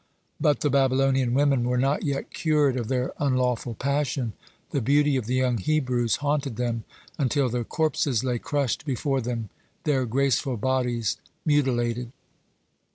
But the Babylonian women were not yet cured of their unlawful passion; the beauty of the young Hebrews haunted them until their corpses lay crushed before them, their graceful bodies mutilated.